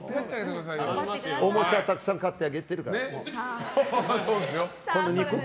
おもちゃたくさん買ってあげているから今度は肉を。